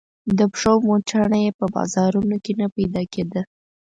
د پښو موچڼه يې په بازارونو کې نه پيدا کېده.